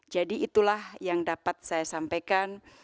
jadi itulah yang dapat saya sampaikan